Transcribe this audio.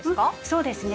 そうですね。